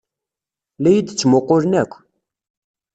La iyi-d-ttmuqqulen akk.